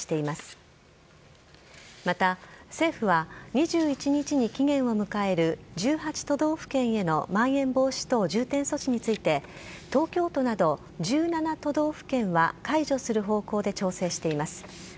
また、政府は２１日に期限を迎える１８都道府県へのまん延防止等重点措置について、東京都など１７都道府県は解除する方向で調整しています。